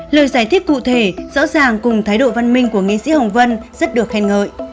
lời giải thích cụ thể rõ ràng cùng thái độ văn minh của nghị sĩ hồng vân rất được khen ngợi